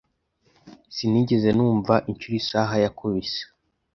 Sinigeze numva inshuro isaha yakubise.